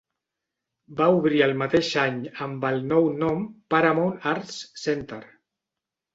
Va obrir al mateix any amb el nou nom "Paramount Arts Center".